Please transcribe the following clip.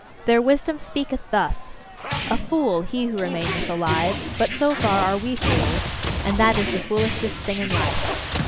Their wisdom speaketh thus: "A fool, he who remaineth alive; but so far are we fools! And that is the foolishest thing in life!"